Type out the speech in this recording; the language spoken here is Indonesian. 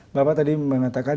bapak tadi mengatakan